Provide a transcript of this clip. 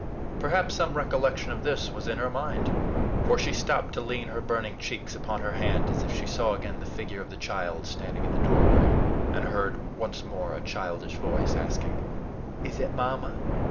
Perhaps some recollection of this was in her mind; for she stopped to lean her burning cheeks upon her hand, as if she saw again the figure of the child standing in the doorway, and heard once more a childish voice asking, "Is it Mamma?"